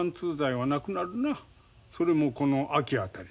それもこの秋あたり。